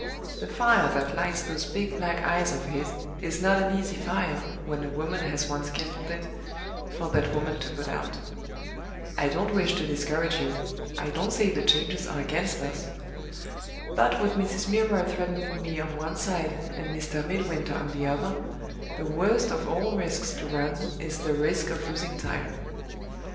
The fire that lights those big black eyes of his is not an easy fire, when a woman has once kindled it, for that woman to put out. I don't wish to discourage you; I don't say the changes are against us. But with Mrs. Milroy threatening me on one side, and Mr. Midwinter on the other, the worst of all risks to run is the risk of losing time.